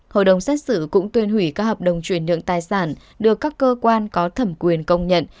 hội đồng xét xử cũng tuyên hủy các hợp đồng chuyển nhượng tài sản được các cơ quan có thẩm quyền công nhận